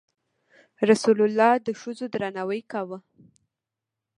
رسول الله د ښځو درناوی کاوه.